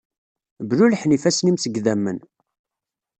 Blulḥen ifassen-im seg idammen.